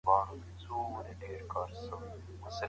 ماشومانو په پټي کي لوبې کولې.